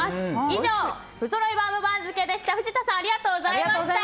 以上、不揃いバウム番付でした。